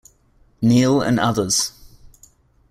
Neale and others.